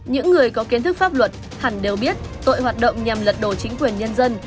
những người có kiến thức pháp luật hẳn đều biết tội hoạt động nhằm lật đổ chính quyền nhân dân